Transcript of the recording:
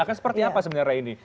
akan seperti apa sebenarnya ini